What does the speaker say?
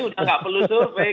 udah gak perlu survei